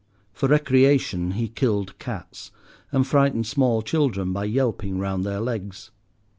For recreation he killed cats and frightened small children by yelping round their legs.